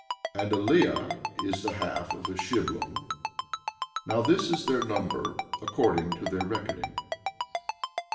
11:17 And a leah is the half of a shiblum. 11:18 Now this is their number, according to their reckoning.